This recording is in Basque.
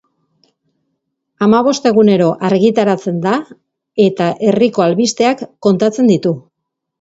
Hamabost egunero argitaratzen da eta herriko albisteak kontatzen ditu.